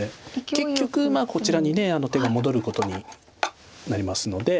結局こちらに手が戻ることになりますので。